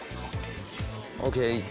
ＯＫ。